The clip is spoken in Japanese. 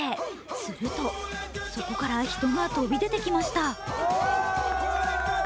すると、そこから人が飛び出てきました。